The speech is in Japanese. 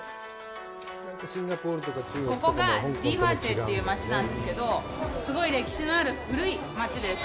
ここが迪化街という街なんですけど、すごい歴史のある古い街です。